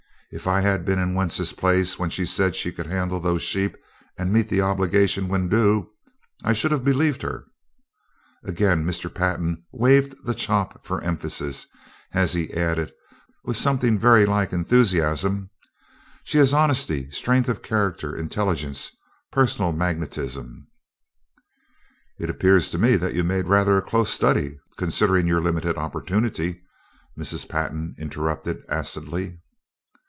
If I had been in Wentz's place when she said she could handle those sheep and meet the obligation when due, I should have believed her." Again Mr. Pantin waved the chop for emphasis as he added with something very like enthusiasm: "She has honesty, strength of character, intelligence, personal magnetism " "It appears to me that you made rather a close study, considering your limited opportunity," Mrs. Pantin interrupted acidly.